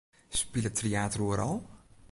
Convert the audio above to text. Spilet Tryater oeral?